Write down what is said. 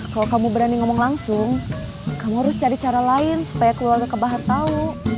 kalau kamu berani ngomong langsung kamu harus cari cara lain supaya keluarga kebaha tahu